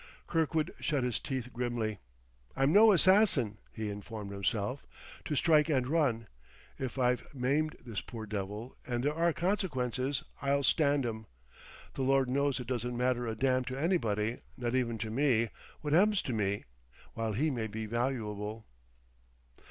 Kirkwood shut his teeth grimly. "I'm no assassin," he informed himself, "to strike and run. If I've maimed this poor devil and there are consequences, I'll stand 'em. The Lord knows it doesn't matter a damn to anybody, not even to me, what happens to me; while he may be valuable."